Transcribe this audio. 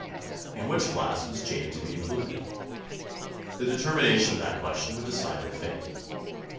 In which class was Jane to be included? The determination of that question would decide her fate.